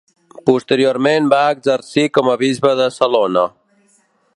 Posteriorment va exercir com a bisbe de Salona.